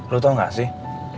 lo tau gak sih